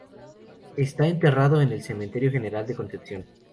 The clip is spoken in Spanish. Está enterrado en el Cementerio General de Concepción.